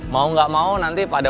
mau gak mau nanti pada